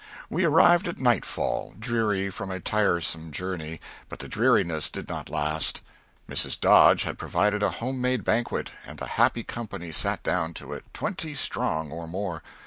We arrived at nightfall, dreary from a tiresome journey; but the dreariness did not last. Mrs. Dodge had provided a home made banquet, and the happy company sat down to it, twenty strong, or more.